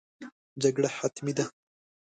جګړه حتمي ده.